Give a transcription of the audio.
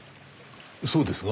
そうですが？